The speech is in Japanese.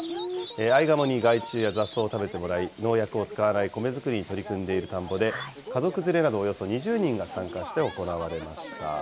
アイガモに害虫や雑草を食べてもらい、農薬を使わない米作りに取り組んでいる田んぼで、家族連れなどおよそ２０人が参加して行われました。